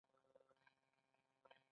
دولت له دریو مختلفو قواوو څخه تشکیل شوی دی.